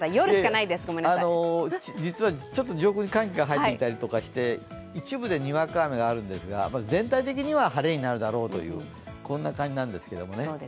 実は上空に寒気が入っていたりして一部でにわか雨があるんですが全体的には晴れになるだろうという、こんな感じなんですけれども。